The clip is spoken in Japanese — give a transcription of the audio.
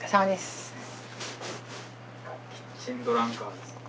キッチンドランカーですね。